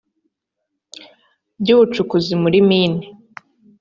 by ubucukuzi muri mine